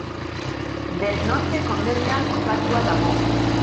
Del Norte konderrian kokatua dago.